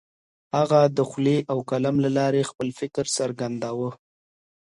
هغه د خولې او قلم له لارې خپل فکر څرګنداوه.